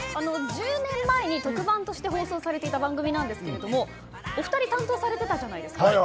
１０年前に特番として放送されていた番組ですがお二人が担当されていたじゃないですか。